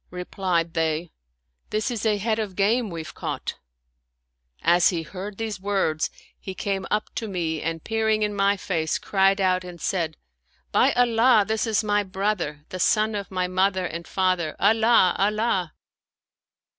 " Replied they, " This is a head of game we've caught." As he heard these words, he came up to me and peering in my face, cried out and said, " By Allah, this is my brother, the son of my mother and father! Allah ! Allah